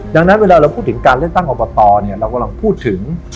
ดังนั้นเวลาเราพูดถึงการเลือกตั้งอบตเรากำลังพูดถึง